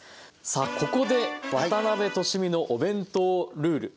さあここで渡辺俊美のお弁当ルール。